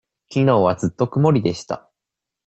きのうはずっと曇りでした。